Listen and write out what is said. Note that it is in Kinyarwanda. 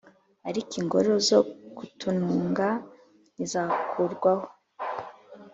Ariko ingoro zo ku tununga ntizakurwaho